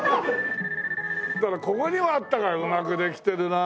だからここにもあったからうまくできてるな。